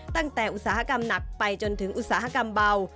อุตสาหกรรมหนักไปจนถึงอุตสาหกรรมเบา